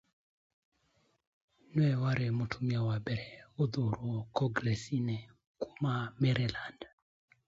She was the first woman elected to Congress from Maryland.